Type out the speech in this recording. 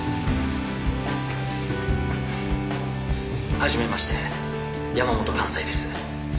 初めまして山本寛斎です。